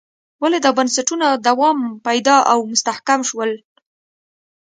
ولې دا بنسټونه دوام پیدا او مستحکم شول.